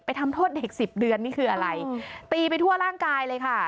ทำโทษเด็กสิบเดือนนี่คืออะไรตีไปทั่วร่างกายเลยค่ะ